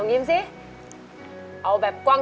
ยิ้มค่ะ